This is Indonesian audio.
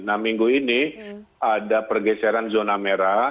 nah minggu ini ada pergeseran zona merah